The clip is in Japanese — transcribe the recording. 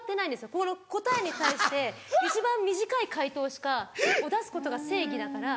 ここの答えに対して一番短い解答しかを出すことが正義だから。